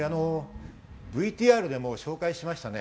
ＶＴＲでも紹介しました。